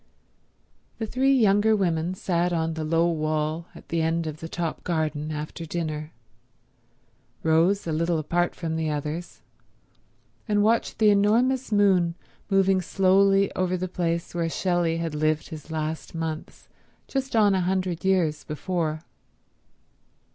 The three younger women sat on the low wall at the end of the top garden after dinner, Rose a little apart from the others, and watched the enormous moon moving slowly over the place where Shelley had lived his last months just on a hundred years before.